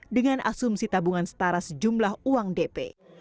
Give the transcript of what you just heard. dengan asumsi tabungan setara sejumlah uang dp